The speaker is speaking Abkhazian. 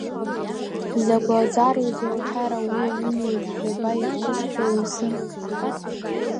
Закә лаӡароузеи уҳәарауеи ҩынҩажәи жәаба ирҭысхьоу изын!